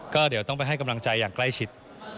ก็เดี๋ยวต้องไปให้กำลังใจอย่างใกล้ชิด